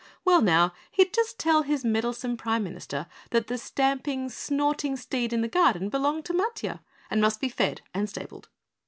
Well now, he'd just tell his meddlesome Prime Minister that the stamping, snorting steed in the garden belonged to Matiah and must be fed and stabled.